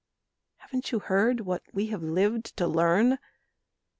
Haven't you heard what we have lived to learn?